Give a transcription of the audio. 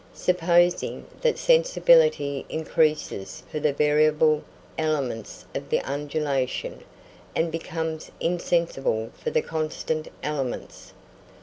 Supposing that sensibility increases for the variable elements of the undulation, and becomes insensible for the constant elements.